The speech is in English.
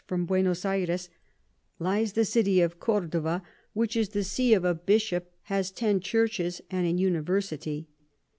from Buenos Ayres lies the City of Cordoua, which is the See of a Bishop, has ten Churches, and an University.